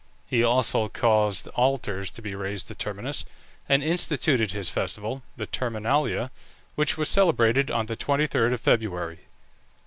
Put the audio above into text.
He also caused altars to be raised to Terminus, and instituted his festival (the Terminalia), which was celebrated on the 23rd of February.